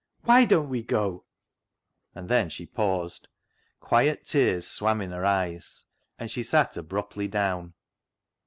Why don't we go ?" And then she paused, quiet tears swam in her eyes, and she sat abruptly down.